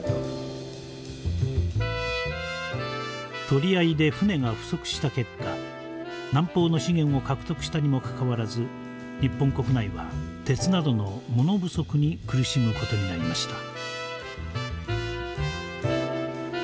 取り合いで船が不足した結果南方の資源を獲得したにもかかわらず日本国内は鉄などの物不足に苦しむ事になりました。